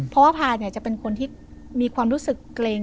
เพราะว่าพายจะเป็นคนที่มีความรู้สึกเกรง